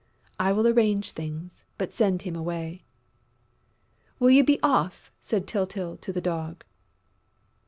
"I will arrange things.... But send him away." "Will you be off!" said Tyltyl to the Dog.